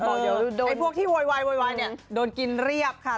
ไอ้พวกที่โวยวายโดนกินเรียบค่ะ